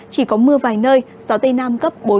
chỉ có mưa vài nơi gió tây nam cấp bốn